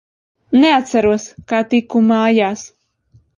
Neatceros, kā tiku mājās.